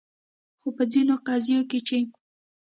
خو په ځینو قضیو کې چې